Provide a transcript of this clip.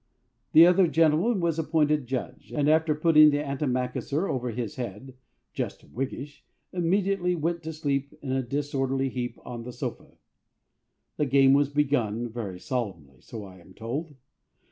The other gentleman was appointed judge, and after putting the antimacassar over his head ("jush wigsh") immediately went to sleep in a disorderly heap on the sofa. The game was begun very solemnly, so I am told.